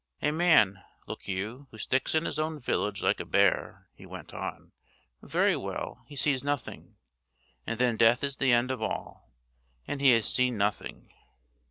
A man, look you, who sticks in his own village like a bear,' he went on, '—very well, he sees nothing. And then death is the end of all. And he has seen nothing.